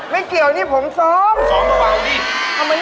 ไม่เกี่ยวนี่ผมซ้อม